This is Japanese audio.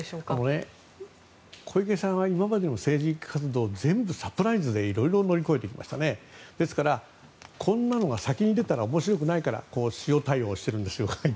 小池さんは今までの政治活動全部サプライズでいろいろ乗り越えてきたのでこんなんが先に出たら面白くないから塩対応をしているんだと。